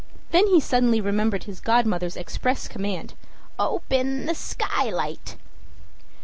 Then he suddenly remembered his godmother's express command "Open the skylight!"